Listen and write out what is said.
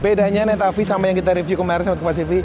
bedanya netafee sama yang kita review kemarin sahabat kompas tv